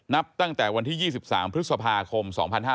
นับตั้งแต่วันที่๒๓พฤษภาคม๒๕๕๙